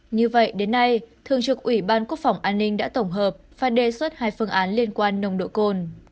như vậy đến nay thường trực ủy ban quốc phòng an ninh đã tổng hợp và đề xuất hai phương án liên quan nồng độ cồn